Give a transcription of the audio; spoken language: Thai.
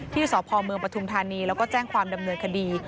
ที่สอบพอมเมืองประทุมธานีแล้วก็แจ้งความดำเนินคดี